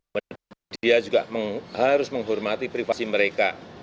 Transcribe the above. media juga harus menghormati privasi mereka